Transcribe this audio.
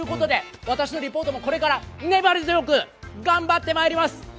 私のリポートもこれから粘り強く頑張ってまいります！